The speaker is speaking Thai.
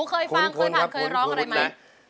เคยฟังเรียบร้องอะไรไหม